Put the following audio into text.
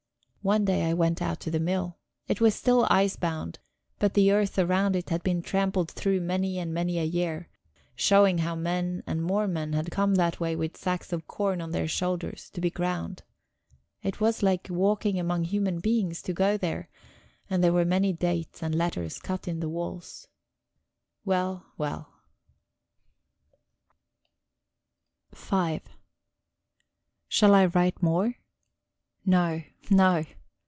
One day I went out to the mill; it was still icebound, but the earth around it had been trampled through many and many a year, showing how men and more men had come that way with sacks of corn on their shoulders, to be ground. It was like walking among human beings to go there; and there were many dates and letters cut in the walls. Well, well... V Shall I write more? No, no.